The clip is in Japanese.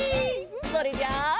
それじゃあ。